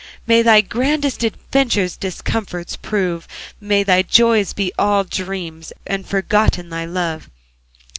May thy grandest adventures Discomfitures prove, May thy joys be all dreams, And forgotten thy love.